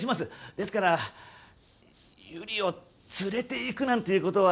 ですから悠里を連れて行くなんていう事は。